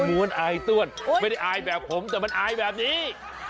้วนอายต้วนไม่ได้อายแบบผมแต่มันอายแบบนี้